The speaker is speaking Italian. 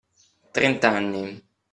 Trent’anni.